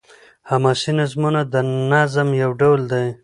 حماسي نظمونه د نظم يو ډول دﺉ.